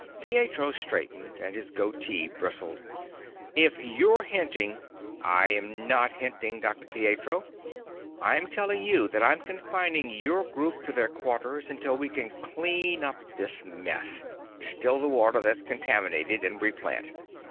Pietro straightened, and his goatee bristled. "If you're hinting ..." "I am not hinting, Dr. Pietro. I'm telling you that I'm confining your group to their quarters until we can clean up this mess, distil the water that's contaminated, and replant.